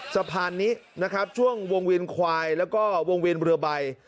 สะพานนี้นะครับช่วงวงเวียนควายแล้วก็วงเวียนเรือใบ